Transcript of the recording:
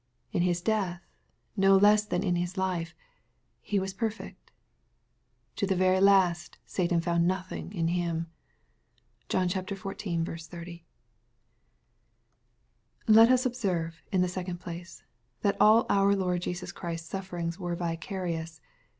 In His death, no less than in Eis life, he was perfect. To the very last, Satan found nothing in Him. (John xiv. 30.) Let us observe, in the second place, that all our Lo7*d Jesus Christ s sufferings were vicarious.